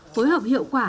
phối hợp hiệu quả